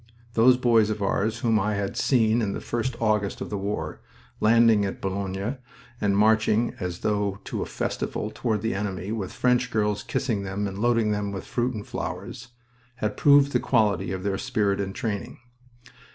Those boys of ours whom I had seen in the first August of the war, landing at Boulogne and marching, as though to a festival, toward the enemy, with French girls kissing them and loading them with fruit and flowers, had proved the quality of their spirit and training.